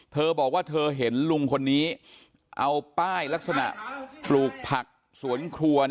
เธอบอกว่าเธอเห็นลุงคนนี้เอาป้ายลักษณะปลูกผักสวนครัว